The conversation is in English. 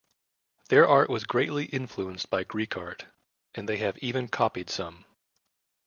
Their art was greatly influenced by Greek art, and they have even copied some.